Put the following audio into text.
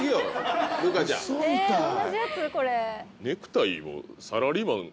ネクタイを。